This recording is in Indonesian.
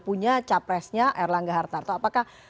punya capresnya erlangga hartarto apakah